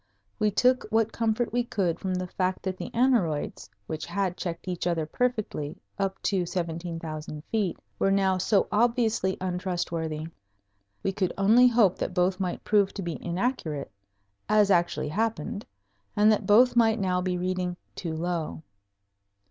We took what comfort we could from the fact that the aneroids, which had checked each other perfectly up to 17,000 feet, were now so obviously untrustworthy. We could only hope that both might prove to be inaccurate, as actually happened, and that both might now be reading too low.